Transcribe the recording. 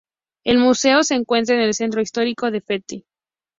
El museo se encuentra en el centro histórico de Ft.